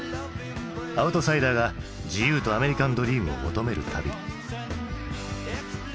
アウトサイダーが自由とアメリカン・ドリームを求める旅。